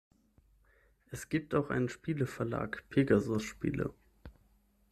Es gibt auch einen Spieleverlag Pegasus Spiele.